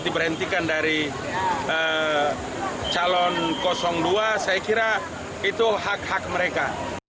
diberhentikan dari calon dua saya kira itu hak hak mereka